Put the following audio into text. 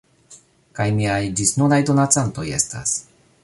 Kaj miaj ĝisnunaj donacantoj estas....